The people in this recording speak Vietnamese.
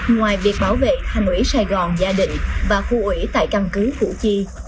ngoài việc bảo vệ thành quỷ sài gòn gia đình và khu ủy tại căn cứ phủ chi